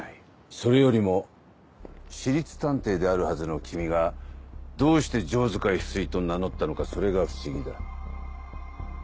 それよりも私立探偵であるはずの君がどうして城塚翡翠と名乗ったのかそれが不思議だ。